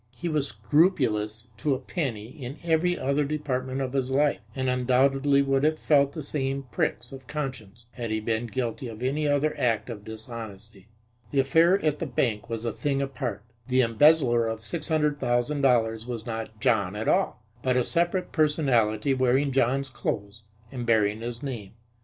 He was scrupulous to a penny in every other department of his life, and undoubtedly would have felt the same pricks of conscience had he been guilty of any other act of dishonesty. The affair at the bank was a thing apart. The embezzler of six hundred thousand dollars was not John at all, but a separate personality wearing John's clothes and bearing his name.